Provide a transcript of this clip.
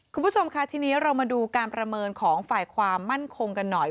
คุณผู้ชมค่ะทีนี้เรามาดูการประเมินของฝ่ายความมั่นคงกันหน่อย